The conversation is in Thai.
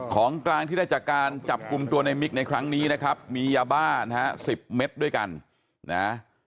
ของกลางที่ได้จากการจับกลุ่มตัวในมิกในครั้งนี้นะครับมียาบ้านะฮะสิบเม็ดด้วยกันนะ